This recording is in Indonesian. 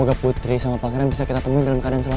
juga putri sama pangeran bisa kita temuin dalam keadaan selamat